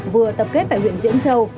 vừa tập kết tại huyện diễn châu